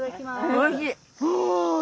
おいしい！